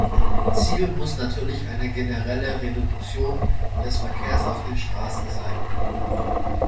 Ziel muss natürlich eine generelle Reduktion des Verkehrs auf den Straßen sein.